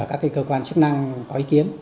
các cơ quan chức năng có ý kiến